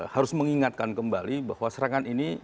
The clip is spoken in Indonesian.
harus mengingatkan kembali bahwa serangan ini